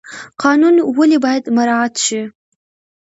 قانون ولې باید مراعات شي؟